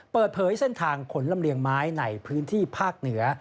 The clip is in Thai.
เปิดเผยเส้นทางขนลำเลียงไม้ในพื้นที่ภาคเหนือ